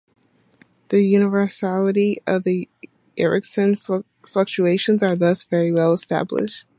The universality of the Ericson fluctuations are thus very well established.